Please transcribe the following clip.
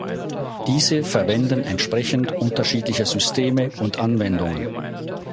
Diese verwenden entsprechend unterschiedliche Systeme und Anwendungen.